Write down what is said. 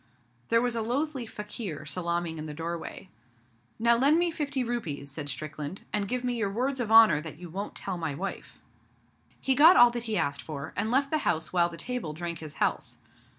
There was a loathly fakir salaaming in the doorway. 'Now lend me fifty rupees,' said Strickland, 'and give me your Words of Honour that you won't tell my wife.' He got all that he asked for, and left the house while the table drank his health.